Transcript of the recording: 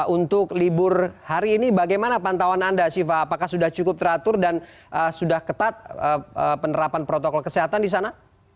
untuk libur hari ini bagaimana pantauan anda siva apakah sudah cukup teratur dan sudah ketat penerapan protokol kesehatan di sana